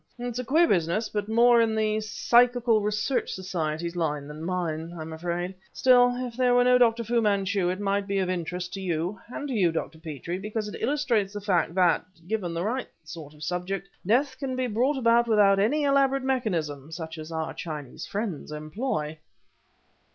It's a queer business, but more in the Psychical Research Society's line than mine, I'm afraid. Still, if there were no Dr. Fu Manchu it might be of interest to you and to you, Dr. Petrie, because it illustrates the fact, that, given the right sort of subject, death can be brought about without any elaborate mechanism such as our Chinese friends employ."